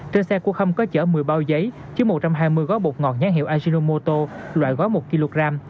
trên xe của khâm có chở một mươi bao giấy chứ một trăm hai mươi gói bột ngọt nhán hiệu ajinomoto loại gói một kg